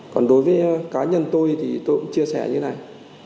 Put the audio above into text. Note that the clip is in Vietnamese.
còn đối với cá nhân tôi thì tôi cũng chia sẻ như thế này